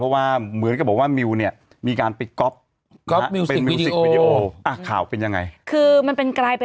เรื่องของเมล์กับทางฝั่งนะนักร้องเกาหลี